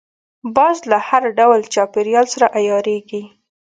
باز له هر ډول چاپېریال سره عیارېږي